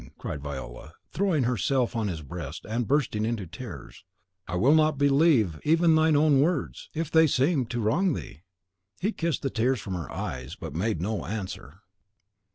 cried Viola, throwing herself on his breast, and bursting into tears. "I will not believe even thine own words, if they seem to wrong thee!" He kissed the tears from her eyes, but made no answer.